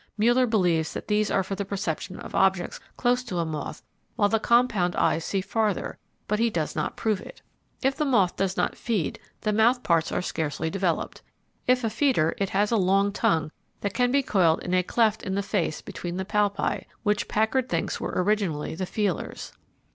Mueller believes that these are for the perception of objects close to a moth while the compound eyes see farther, but he does not prove it. If the moth does not feed, the mouth parts are scarcely developed. If a feeder, it has a long tongue that can be coiled in a cleft in the face between the palpi, which Packard thinks were originally the feelers.